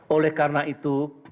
oleh karena itu